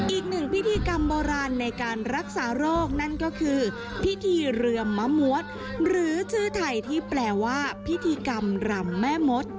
อีกหนึ่งพิธีกรรมโบราณในการรักษาโรคนั่นก็คือพิธีเรือมมะมวดหรือชื่อไทยที่แปลว่าพิธีกรรมรำแม่มด